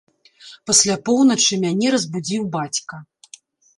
Пасля поўначы мяне разбудзіў бацька.